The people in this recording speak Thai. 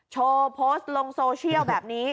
โชว์โพสต์ลงโซเชียลแบบนี้